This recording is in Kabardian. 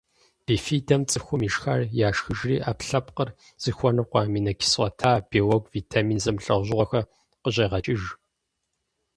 Бифидэм цӏыхум ишхар яшхыжри, ӏэпкълъэпкъыр зыхуэныкъуэ аминокислота, белок, витамин зэмылӏэужьыгъуэхэр къыщӏегъэкӏыж.